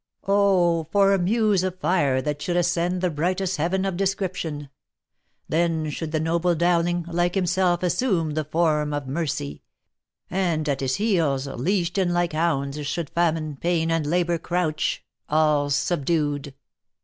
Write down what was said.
Oh ! for a muse of fire that should ascend The brightest heaven of description ! Then should the noble Dowling, like himself Assume the form of mercy ; and, at his heels, Leashed in like hounds, should famine, pain, and labour, Crouch, all subdued!"